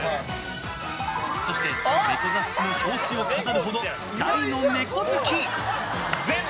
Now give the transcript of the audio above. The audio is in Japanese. そして、猫雑誌の表紙を飾るほど大の猫好き。